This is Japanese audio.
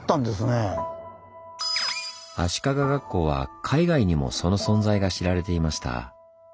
足利学校は海外にもその存在が知られていました。